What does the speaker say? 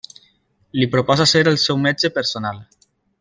Li proposa ser el seu metge personal.